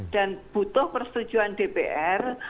dan butuh persetujuan dpr